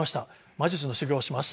魔術の修業をします」。